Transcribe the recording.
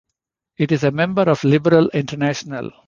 It is a member of Liberal International.